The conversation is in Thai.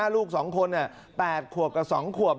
ลูกสองคนน่ะ๘ขวบกับ๒ขวบ